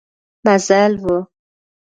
مزل و.